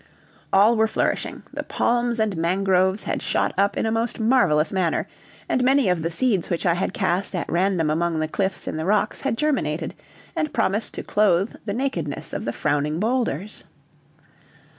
All were flourishing, the palms and mangroves had shot up in a most marvelous manner, and many of the seeds which I had cast at random among the cliffs in the rocks had germinated, and promised to clothe the nakedness of the frowning boulders.